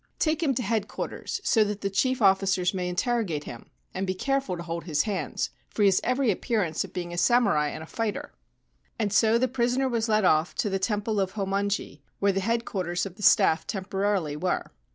c Take him to Headquarters, so that the chief officers may interrogate him ; and be careful to hold his hands, for he has every appearance of being a samurai and a fighter.' And so the prisoner was led off to the Temple of Hommonji, where the Headquarters of the Staff temporarily were.